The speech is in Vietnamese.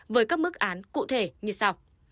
với các mức án cụ thể như sau